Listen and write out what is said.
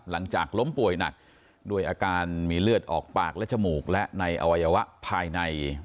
หลังจากล้มป่วยหนักด้วยอาการมีเลือดออกปากและจมูกและในอวัยวะภายใน